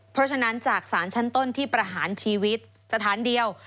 เพราะฉะนั้นจากศาลชั้นต้นที่ประหารชีวิตสถานเดียว